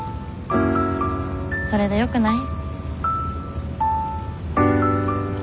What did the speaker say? それでよくない？